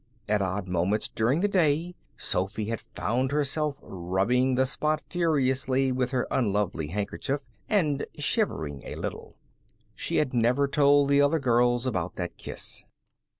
At odd moments during the day Sophy had found herself rubbing the spot furiously with her unlovely handkerchief, and shivering a little. She had never told the other girls about that kiss.